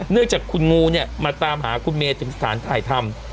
เนื่องจากคุณงูเนี่ยมาตามหาคุณเมย์ถึงสถานถ่ายทำ